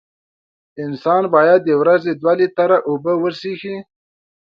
انسان باید د ورځې دوه لېټره اوبه وڅیښي.